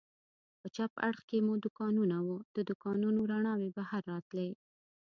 په چپ اړخ کې مو دوکانونه و، د دوکانونو رڼاوې بهر راتلې.